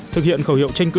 thực hiện khẩu hiệu tranh cử